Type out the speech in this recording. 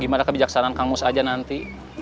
gimana kebijaksanaan kang mus aja nanti